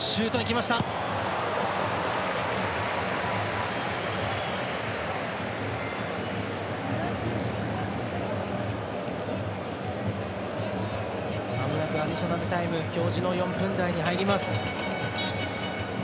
まもなくアディショナルタイム表示の４分台に入ります。